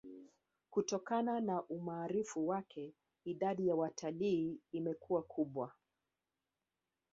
Kutokana na umaarufu wake idadi ya watalii imakuwa kubwa